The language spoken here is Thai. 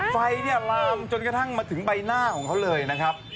ไฟเนี่ยลามจนกระทั่งมาถึงใบหน้าของเขาเลยนะครับ